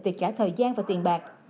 từ cả thời gian và tiền bạc